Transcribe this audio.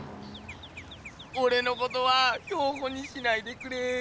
おれのことは標本にしないでくれぇ。